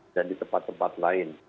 dan di tempat tempat lain